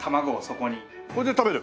これで食べる？